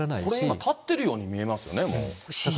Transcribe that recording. これ、今、建ってるように見えますよね、もう。